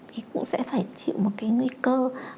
thì cũng sẽ phải chịu một cái nguy cơ